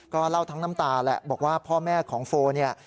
ก็เล่าทั้งน้ำตาแหละบอกว่าพ่อแม่ของโฟเนี่ย